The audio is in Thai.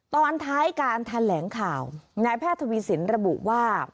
ตอนท้ายการแถลงข่าวนายแพทย์ทวีสินระบุว่า